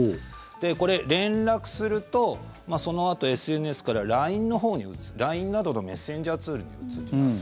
これ、連絡するとそのあとＳＮＳからＬＩＮＥなどのメッセンジャーツールに移ります。